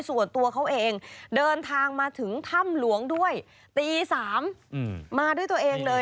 ส่วนตัวเขาเองเดินทางมาถึงถ้ำหลวงด้วยตี๓มาด้วยตัวเองเลย